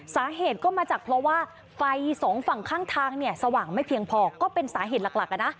สาเหตุก็มาจากเพราะว่าไฟสองฝั่งข้างทางเนี่ยสว่างไม่เพียงพอก็เป็นสาเหตุหลักนะ